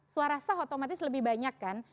suara sah otomatis lebih banyak kan